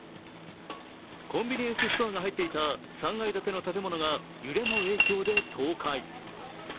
コンビニエンスストアが入っていた３階建ての建物が揺れの影響で倒壊。